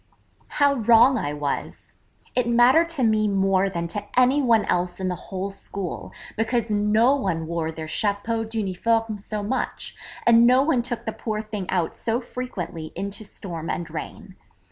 How wrong I was! It mattered to me more than to any one else in the whole school, because no one wore their chapeau d'uniforme so much, and no one took the poor thing out so frequently into storm and rain.